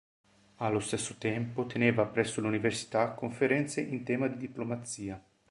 Allo stesso tempo teneva presso l'Università conferenze in tema di diplomazia.